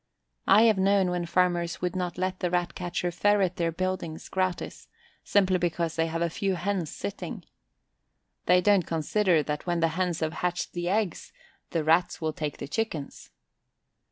I have known when farmers would not let the Rat catcher ferret their buildings gratis, simply because they have a few hens sitting. They don't consider that when the hens have hatched the eggs the Rats will take the chickens.